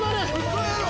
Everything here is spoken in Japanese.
嘘やろ！？